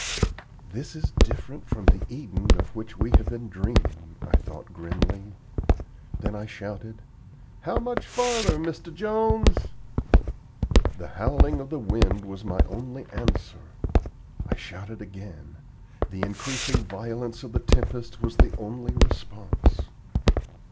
"This is different from the Eden of which we have been dreaming," I thought grimly. Then I shouted, "How much farther, Mr. Jones?" The howling of the wind was my only answer. I shouted again. The increasing violence of the tempest was the only response.